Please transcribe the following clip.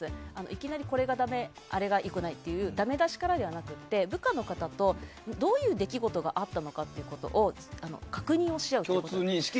いきなり、これがだめあれがよくないというダメ出しからではなくて部下の方とどういう出来事があったのかということを確認をし合うと。